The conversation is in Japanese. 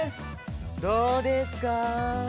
どうですか？